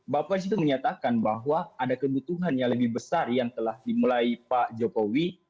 bapak disitu menyatakan bahwa ada kebutuhan yang lebih besar yang telah dimulai pak jokowi